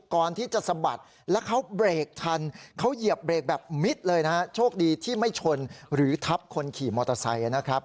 ก่อนที่จะสะบัดแล้วเขาเบรกทันเขาเหยียบเบรกแบบมิดเลยนะฮะโชคดีที่ไม่ชนหรือทับคนขี่มอเตอร์ไซค์นะครับ